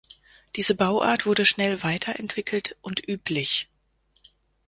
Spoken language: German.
Diese Bauart wurde schnell weiterentwickelt und üblich.